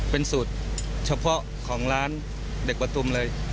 เป็นสูตรเฉพาะของร้านเด็กประตุมเลย